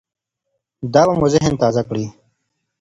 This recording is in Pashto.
دا به مو ذهن تازه کړي.